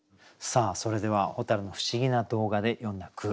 それでは蛍の不思議な動画で詠んだ句